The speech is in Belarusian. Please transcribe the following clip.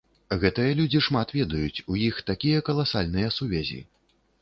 Гэтыя людзі шмат ведаюць, у іх такія каласальныя сувязі.